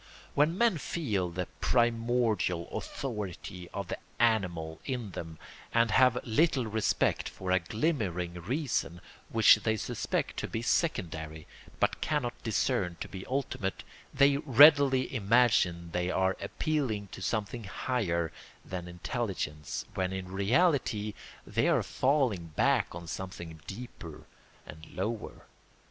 When men feel the primordial authority of the animal in them and have little respect for a glimmering reason which they suspect to be secondary but cannot discern to be ultimate, they readily imagine they are appealing to something higher than intelligence when in reality they are falling back on something deeper and lower.